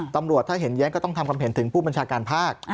ตำรวจถ้าเห็นแย้งก็ต้องทำความเห็นถึงผู้บัญชาการภาค